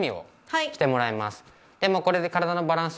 はい。